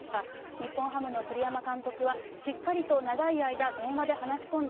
日本ハムの栗山監督は、しっかりと長い間、電話で話し込んだ。